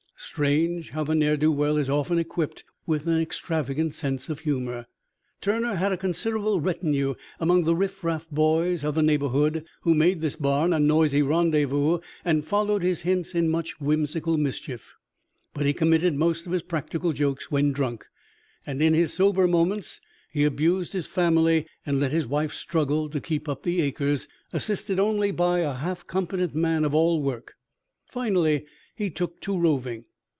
Strange how the ne'er do well is often equipped with an extravagant sense of humor! Turner had a considerable retinue among the riffraff boys of the neighborhood, who made this barn a noisy rendezvous and followed his hints in much whimsical mischief. But he committed most of his practical jokes when drunk, and in his sober moments he abused his family and let his wife struggle to keep up the acres, assisted only by a half competent man of all work. Finally he took to roving.